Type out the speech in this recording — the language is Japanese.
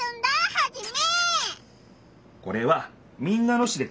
ハジメ！